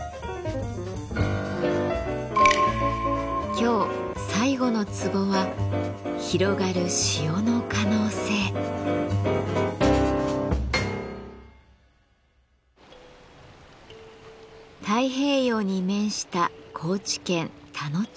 今日最後のツボは太平洋に面した高知県田野町。